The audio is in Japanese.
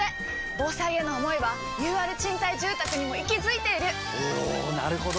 防災への想いはＵＲ賃貸住宅にも息づいているおなるほど！